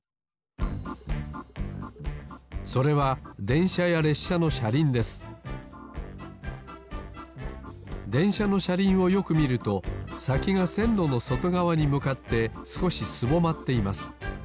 でんしゃのしゃりんをよくみるとさきがせんろのそとがわにむかってすこしすぼまっています。